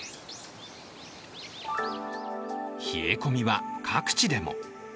冷え込みは各地でも。